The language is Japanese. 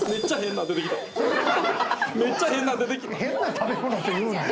変な食べ物って言うなよ。